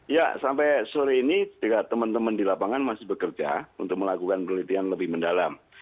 ya sampai sore ini teman teman di lapangan masih bekerja untuk melakukan penelitian lebih mendalam